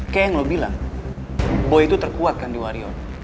kayak yang lo bilang boy itu terkuat kan di warrior